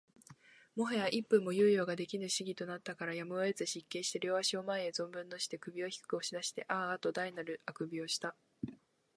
最早一分も猶予が出来ぬ仕儀となったから、やむをえず失敬して両足を前へ存分のして、首を低く押し出してあーあと大なる欠伸をした